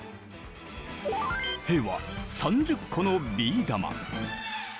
兵は３０個のビー玉。